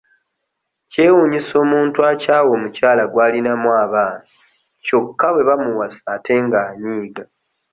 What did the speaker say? Kyewuunyisa omuntu akyawa omukyala gw'alinamu abaana kyokka bwe bamuwasa ate ng'anyiiga.